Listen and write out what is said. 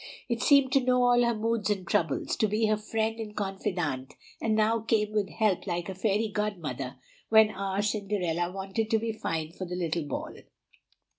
It seemed to know all her moods and troubles, to be her friend and confidante, and now came with help like a fairy godmother when our Cinderella wanted to be fine for the little ball.